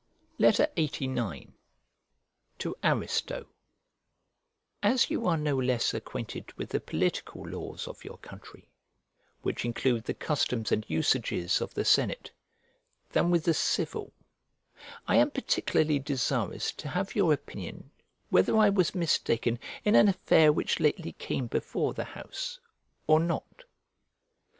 LXXXIX To ARISTO As you are no less acquainted with the political laws of your country (which include the customs and usages of the senate) than with the civil, I am particularly desirous to have your opinion whether I was mistaken in an affair which lately came before the house, or not.